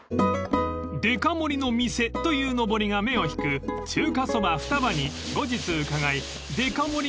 ［「デカ盛りの店」というのぼりが目を引く中華そば双葉に後日伺いデカ盛り